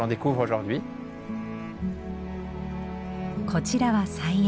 こちらは菜園。